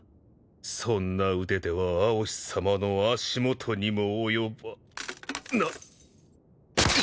そんな腕では蒼紫さまの足元にも及ばない。